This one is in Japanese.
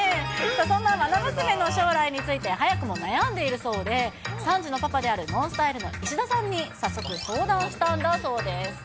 そんなまな娘の将来について早くも悩んでいるそうで、３児のパパであるＮＯＮＳＴＹＬＥの石田さんに早速相談したんだそうです。